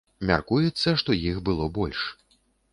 Мяркуецца, што іх было больш.